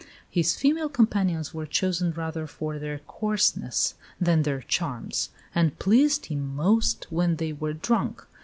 His female companions were chosen rather for their coarseness than their charms, and pleased him most when they were drunk.